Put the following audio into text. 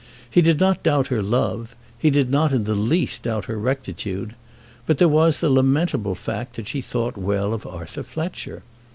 He did not doubt her love; he did not in the least doubt her rectitude; but there was the lamentable fact that she thought well of Arthur Fletcher.